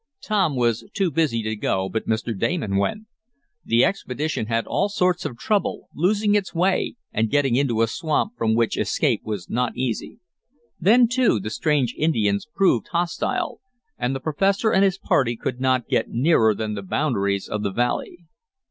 Tom was too busy to go, but Mr. Damon went. The expedition had all sorts of trouble, losing its way and getting into a swamp from which escape was not easy. Then, too, the strange Indians proved hostile, and the professor and his party could not get nearer than the boundaries of the valley.